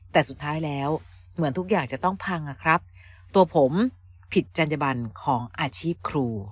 แต่สุดท้ายแล้วเหมือนทุกอย่างจะต้องพังอะครับตัวผมผิดจัญญบันของอาชีพครู